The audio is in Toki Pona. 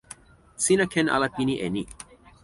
sina ken ala pini e ni.